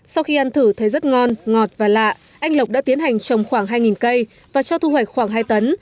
sau khi ăn thử thấy rất ngon ngọt và lạ anh lộc đã tiến hành trồng khoảng hai cây và cho thu hoạch khoảng hai tấn